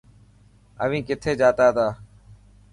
اوهين ڪٿي جاتا تا.